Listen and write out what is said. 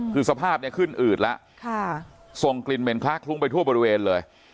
คือสภาพเนี่ยขึ้นอืดแล้วส่งกลิ่นเหม็นคล้าคลุ้งไปทั่วบริเวณเลย